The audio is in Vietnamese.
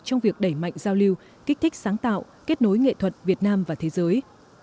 trong việc đẩy mạnh giao lưu kích thích sáng tạo kết nối nghệ thuật việt nam và thế giới